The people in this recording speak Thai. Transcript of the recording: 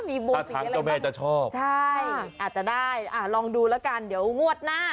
มีโบสถ์สีอะไรบ้างใช่อาจจะได้ลองดูแล้วกันเดี๋ยวงวดหน้า